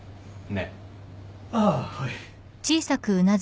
あっはい。